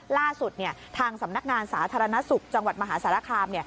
ล่าสุดทางสำนักงานสาธารณสุขจังหวัดมหาสารคาม